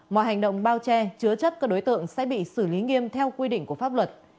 mọi hành động bao che chứa chấp các đối tượng sẽ bị xử lý nghiêm theo quy định của pháp luật